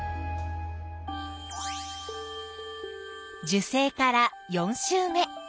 受精から４週目。